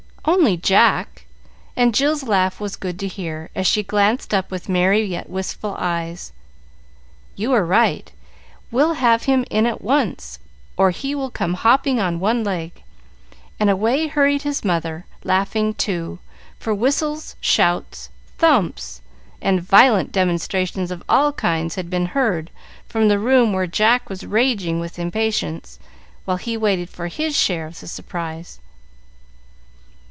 "Only Jack;" and Jill's laugh was good to hear, as she glanced up with merry, yet wistful eyes. "You are right. We'll have him in at once, or he will come hopping on one leg;" and away hurried his mother, laughing, too, for whistles, shouts, thumps, and violent demonstrations of all kinds had been heard from the room where Jack was raging with impatience, while he waited for his share of the surprise.